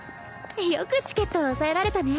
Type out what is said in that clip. よくチケット押さえられたね。